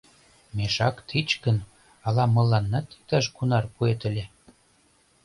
— Мешак тич гын, ала мыланнат иктаж-кунар пуэт ыле.